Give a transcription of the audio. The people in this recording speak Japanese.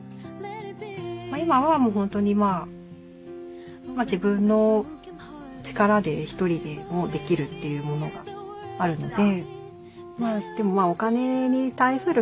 今はもう本当にまあ自分の力で１人でもできるというものがあるので。